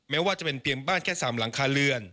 แม้ว่าจะเป็นเตรียมบ้านแค่๓หลังคาเรือน